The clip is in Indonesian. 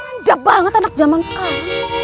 manjab banget anak jaman sekarang